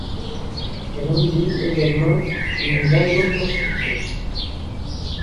Elle induit également une vasoconstriction.